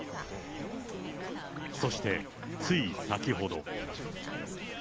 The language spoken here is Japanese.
そしてつい先ほど。